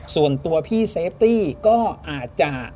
ส่วนตัวพี่เซฟตี้ก็อาจจะ